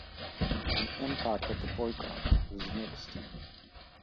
The impact of the boycott was mixed.